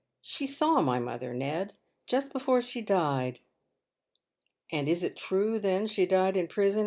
She saw my mother, Ned, just before she died." " And is it true, then, she died in prison ?"